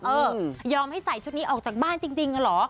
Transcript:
ยอมให้ใส่ชุดนี้ออกจากบ้านจริงเหรอ